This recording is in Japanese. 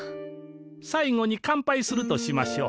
最後にかんぱいするとしましょう。